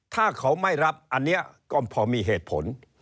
ถ้าเขาไม่รับอันนี้ก็พอมีเหตุผล